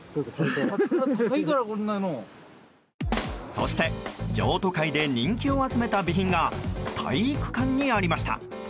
そして譲渡会で人気を集めた備品が体育館にありました。